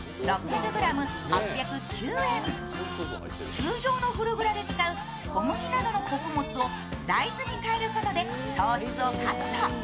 通常のフルグラで使う小麦などの穀物を大豆にかえることで糖質をカット。